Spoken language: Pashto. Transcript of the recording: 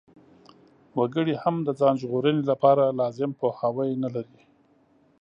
وګړي هم د ځان ژغورنې لپاره لازم پوهاوی نلري.